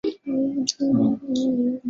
安治泰的宗座代牧职位由韩宁镐接任。